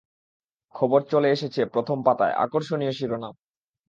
খবর চলে এসেছে প্রথম পাতায় আকর্ষণীয় শিরোনাম।